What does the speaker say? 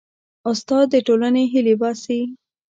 استاد د ټولنې هیلې باسي.